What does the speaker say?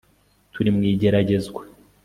Turi mu igeragezwa